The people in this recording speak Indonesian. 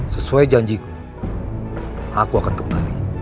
sesuai janjiku aku akan kembali